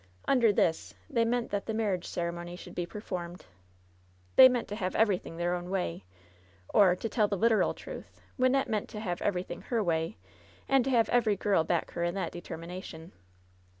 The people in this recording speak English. Under this they meant that the marriage ceremony should be performed. They meant to have everything their own way, or, to tell the literal truth, Wynnette meant to have everything her way, and to have every girl back her in that deter mination.